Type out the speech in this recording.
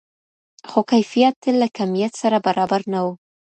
خو کیفیت تل له کمیت سره برابر نه و.